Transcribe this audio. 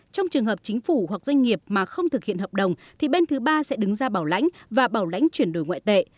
trong trường hợp chính phủ hoặc doanh nghiệp mà không thực hiện hợp đồng thì bên thứ ba sẽ đứng ra bảo lãnh và bảo lãnh chuyển đổi ngoại tệ